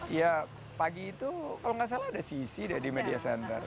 iya pagi itu kalau nggak salah ada sisi di media center